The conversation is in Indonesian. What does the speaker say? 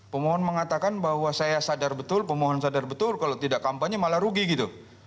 pemohon mengatakan bahwa saya sadar betul pemohon sadar betul kalau tidak kampanye malah rugi gitu